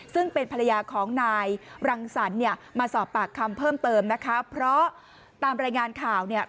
ซึ่งเป็นภรรยาของนายรังสรรค์เนี่ยมาสอบปากคำเพิ่มเติมนะคะเพราะตามรายงานข่าวเนี่ย